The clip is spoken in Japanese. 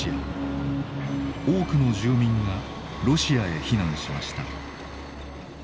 多くの住民がロシアへ避難しました。